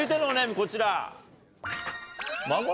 こちら。